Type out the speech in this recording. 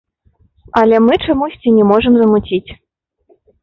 Але мы чамусьці не можам замуціць.